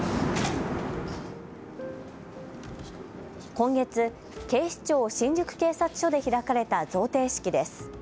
今月、警視庁新宿警察署で開かれた贈呈式です。